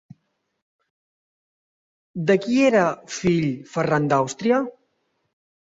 De qui era fill Ferran d'Àustria?